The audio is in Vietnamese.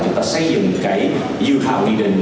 chúng ta xây dựng cái dự thảo quy định